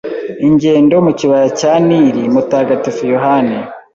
Ingendo mu Kibaya cya Nili Mutagatifu Yohani